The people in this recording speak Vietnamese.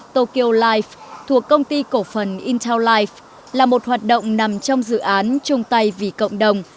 tokyo life thuộc công ty cổ phần intel life là một hoạt động nằm trong dự án chung tay vì cộng đồng